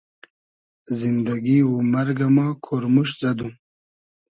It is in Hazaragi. زیندئگی و مئرگۂ ما کۉرموشت زئدوم